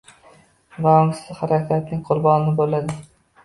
va ongsiz harakatining qurboni bo‘ladi.